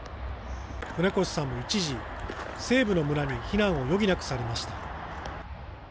船越さんも一時、西部の村に避難を余儀なくされました。